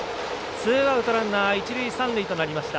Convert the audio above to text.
ツーアウト、ランナー一塁三塁となりました。